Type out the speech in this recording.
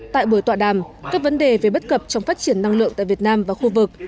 tại buổi tọa đàm các vấn đề về bất cập trong phát triển năng lượng tại việt nam và khu vực